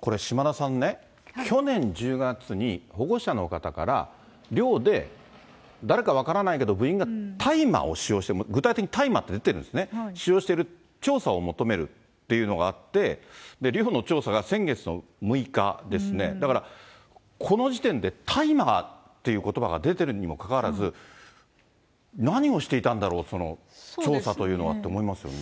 これ、島田さんね、去年１０月に、保護者の方から寮で誰か分からないけれども、部員が大麻を使用している、具体的に大麻って出てるんですね、使用してる、調査を求めるっていうのがあって、寮の調査が先月の６日ですね、だから、この時点で大麻ということばが出てるにもかかわらず、何をしていたんだろう、その調査というのはって思いますよね。